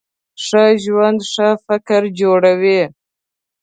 ښه ژوند ښه فکر جوړوي.